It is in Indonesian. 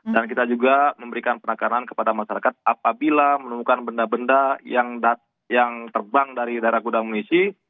dan kita juga memberikan penekanan kepada masyarakat apabila menemukan benda benda yang terbang dari daerah gudang munisi